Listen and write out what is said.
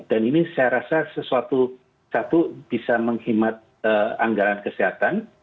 dan ini saya rasa sesuatu satu bisa menghemat anggaran kesehatan